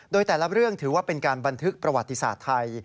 โดยแต่ละเรื่องถือว่าเป็นการบันทึกประวัติศาสตร์ไทย